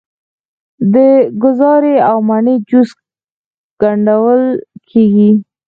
د ګازرې او مڼې جوس ګډول کیږي.